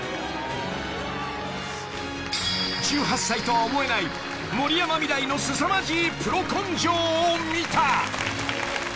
［１８歳とは思えない森山未來のすさまじいプロ根性を見た］